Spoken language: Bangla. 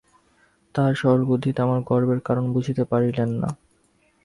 তাঁহার সরল বুদ্ধিতে আমার গর্বের কারণ বুঝিতে পারিলেন না।